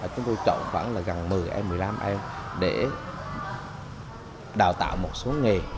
chúng tôi trộn khoảng là gần một mươi em một mươi năm em để đào tạo một số nghề